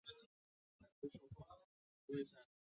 仅由被感染的雌性宿主把沃尔巴克氏体传播给后代。